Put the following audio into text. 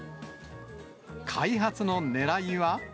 開発のねらいは。